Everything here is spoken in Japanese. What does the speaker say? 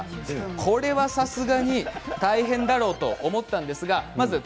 これは、さすがに大変だろうと思ったんですが。